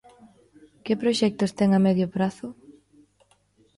Que proxectos ten a medio prazo?